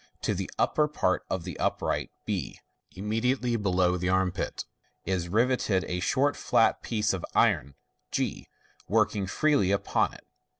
To the upper part of the upright, b h, immediately below the armpit, is riveted a short flat piece of iron, gy work ing freely upon it.